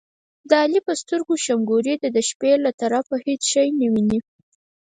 د علي په سترګو شمګوري ده، د شپې له طرفه هېڅ شی نه ویني.